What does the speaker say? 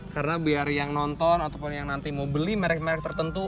karena biar yang nonton ataupun yang nanti mau beli merek merek tertentu